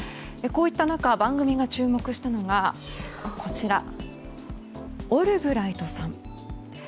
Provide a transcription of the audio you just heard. こういった中番組が注目したのがオルブライトさん。